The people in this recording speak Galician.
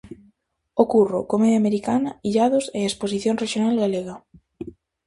O Curro, Comedia Americana, Illados e A Exposición Rexional Galega.